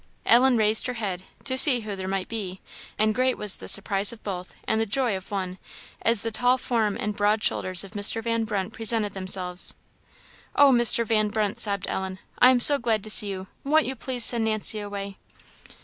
Ellen raised her head "to see who there might be;" and great was the surprise of both, and the joy of one, as the tall form and broad shoulders of Mr. Van Brunt presented themselves. "Oh, Mr. Van Brunt," sobbed Ellen, "I am so glad to see you! won't you please send Nancy away?"